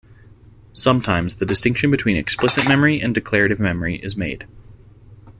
Sometimes, the distinction between explicit memory and declarative memory is made.